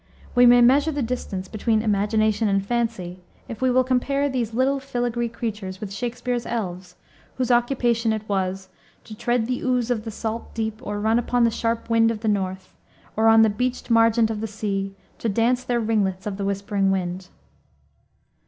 We may measure the distance between imagination and fancy, if we will compare these little filagree creatures with Shakspere's elves, whose occupation it was "To tread the ooze of the salt deep, Or run upon the sharp wind of the north, ... Or on the beached margent of the sea, To dance their ringlets to the whispering wind."